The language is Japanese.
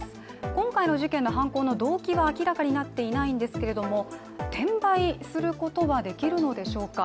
今回の事件の犯行の動機は明らかになっていないんですけれども転売することはできるのでしょうか。